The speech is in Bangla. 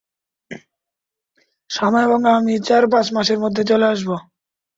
শামা এবং আমি চার-পাঁচ মাসের মধ্যে চলে আসব।